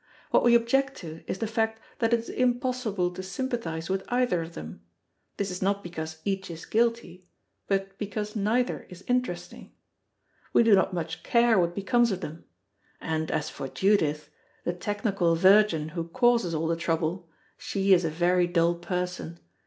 What we object to is the fact that it is impossible to sympathise with either of them; this is not because each is guilty, but because neither is interesting. We do not much care what becomes of them. And as for Judith, the technical virgin who causes all the trouble, she is a very dull person.